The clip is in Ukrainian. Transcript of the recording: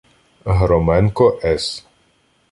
Громенко С.